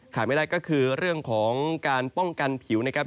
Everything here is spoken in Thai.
ไม่ได้ก็คือเรื่องของการป้องกันผิวนะครับ